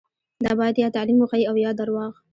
دا باید یا تعلیم وښيي او یا درواغ.